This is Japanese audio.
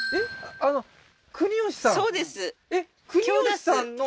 えっ？